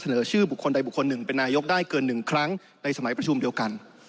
ชื่อบุคคลใดบุคคลหนึ่งเป็นนายกได้เกิน๑ครั้งในสมัยประชุมเดียวกัน